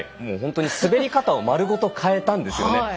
本当に滑り方を丸ごと変えたんですよね。